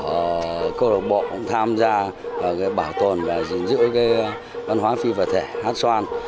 ở cơ độc bộ tham gia bảo tồn và giữ văn hóa phi vật thể hát xoan